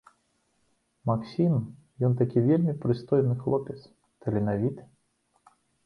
Максім, ён такі вельмі прыстойны хлопец, таленавіты.